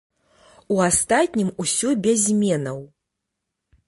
У астатнім усё без зменаў.